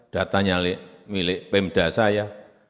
datanya milik pemda saya